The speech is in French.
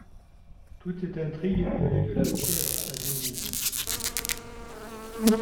Toute cette intrigue valut de la fièvre à Denise.